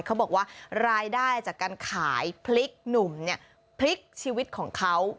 เขาบอกว่ารายได้จากการขายพริกหนุ่มเนี่ยพลิกชีวิตของเขา